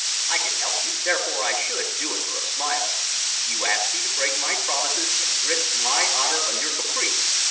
I can help you, therefore I should, do it for a smile. You ask me to break my promises and risk my honor on your caprice.